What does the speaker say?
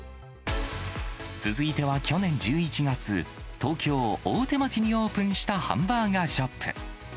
続いては去年１１月、東京・大手町にオープンしたハンバーガーショップ。